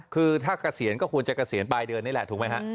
คือถ้าเกษียณก็ควรจะเกษียณปลายเดือนนี่แหละถูกไหมฮะ